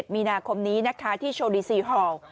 มีนาคมนี้นะคะที่โชว์ดีซีฮอล